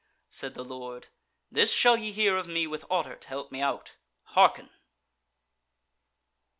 Said the Lord, "This shall ye hear of me with Otter to help me out. Hearken!"